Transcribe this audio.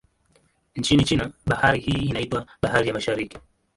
Nchini China, bahari hii inaitwa Bahari ya Mashariki.